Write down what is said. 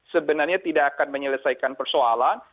sebenarnya tidak akan menyelesaikan persoalan